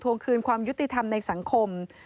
คืนความยุติธรรมในสังคม